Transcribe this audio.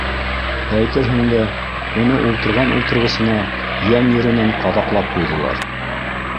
Әйтерһең дә, уны ултырған ултырғысына йән еренән ҡаҙаҡлап ҡуйҙылар.